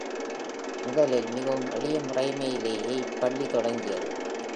முதலில் மிகவும் எளிய முறையிலேயே இப் பள்ளி தொடங்கியது.